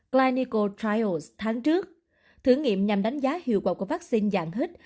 clinical trials tháng trước thử nghiệm nhằm đánh giá hiệu quả của vaccine dạng hít